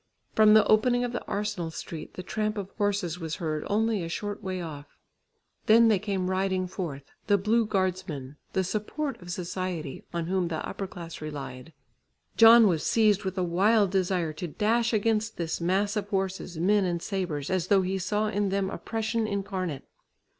From the opening of the Arsenal street the tramp of horses was heard only a short way off. Then they came riding forth, the blue guardsmen, the support of society, on whom the upper class relied. John was seized with a wild desire to dash against this mass of horses, men and sabres, as though he saw in them oppression incarnate.